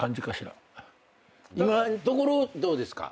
今のところどうですか？